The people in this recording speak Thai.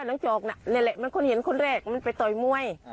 จอกน่ะนี่แหละมันคนเห็นคนแรกมันไปต่อยมวย